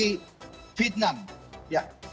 ini yang saya pikir ini adalah strategi yang sangat penting